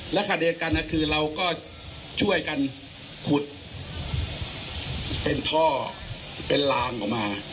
และขณะเดียวกันคือเราก็ช่วยกันขุดเป็นท่อเป็นลางออกมา